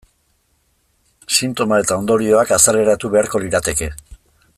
Sintoma eta ondorioak azaleratu beharko lirateke.